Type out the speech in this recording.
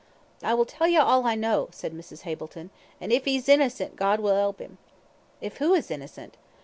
"I will tell you all I know," said Mrs. Hableton, "an' if 'e's innocent, God will 'elp 'im." "If who is innocent?"